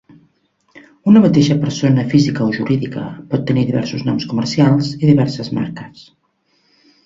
Una mateixa persona física o jurídica pot tenir diversos noms comercials i diverses marques.